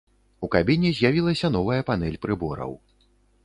У кабіне з'явілася новая панэль прыбораў.